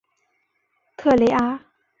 特雷阿。